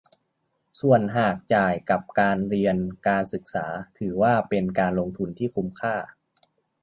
ส่วนหากจ่ายกับการเรียนการศึกษาถือว่าเป็นการลงทุนที่คุ้มค่า